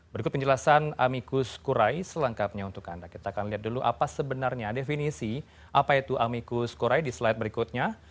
berikut penjelasan amikus kurai selengkapnya untuk anda kita akan lihat dulu apa sebenarnya definisi apa itu amikus kurai di slide berikutnya